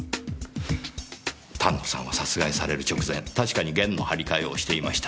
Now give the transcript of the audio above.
丹野さんは殺害される直前確かに弦の張り替えをしていました。